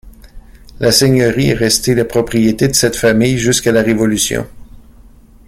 La seigneurie est restée la propriété de cette famille jusqu'à la Révolution.